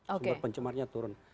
sumber pencemarnya turun